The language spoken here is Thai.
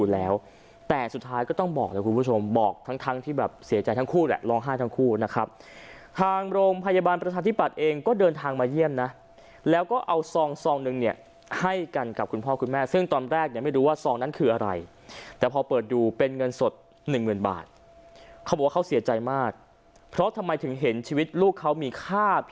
แล้วแต่สุดท้ายก็ต้องบอกเลยคุณผู้ชมบอกทั้งทั้งที่แบบเสียใจทั้งคู่แหละร้องไห้ทั้งคู่นะครับทางโรงพยาบาลประชาธิปัตย์เองก็เดินทางมาเยี่ยมนะแล้วก็เอาซองซองหนึ่งเนี่ยให้กันกับคุณพ่อคุณแม่ซึ่งตอนแรกเนี่ยไม่รู้ว่าซองนั้นคืออะไรแต่พอเปิดดูเป็นเงินสดหนึ่งหมื่นบาทเขาบอกว่าเขาเสียใจมากเพราะทำไมถึงเห็นชีวิตลูกเขามีค่า